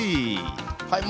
はい。